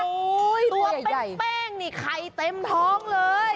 ตัวเป้งนี่ไข่เต็มท้องเลย